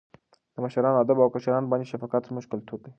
د مشرانو ادب او کشرانو باندې شفقت زموږ کلتور دی.